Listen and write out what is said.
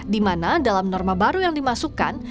di mana dalam norma baru yang dimasukkan